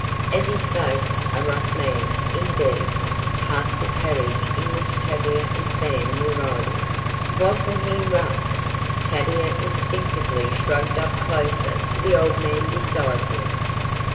As he spoke, a rough man, indeed, passed the carriage in which Tavia and Sam were riding! Wasn't he rough! Tavia instinctively shrugged up closer to the old man beside her.